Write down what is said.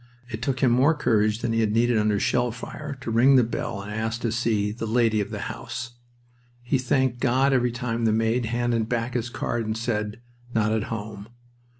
It took him more courage than he had needed under shell fire to ring the bell and ask to see "the lady of the house." He thanked God every time the maid handed back his card and said, "Not at home."